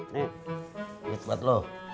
nek ini duit buat lo